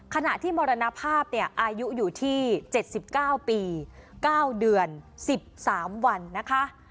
ขณะที่มรณภาพเนี่ยอายุอยู่ที่๗๙ปี๙เดือน๑๓วันนะคะ